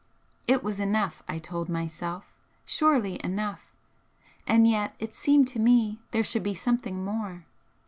It was enough, I told myself surely enough! and yet it seemed to me there should be something more.